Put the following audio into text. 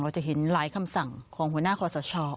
เราจะเห็นหลายคำสั่งของหัวหน้าขวาสเช้า